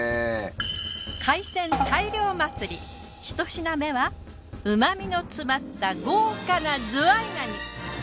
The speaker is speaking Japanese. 海鮮大漁祭りひと品目は旨みの詰まった豪華なズワイガニ！